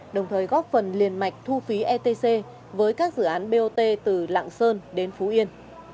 đồng thời góp phần liền mạch thu phí etc với các dự án bot từ lạng sơn đến phú yên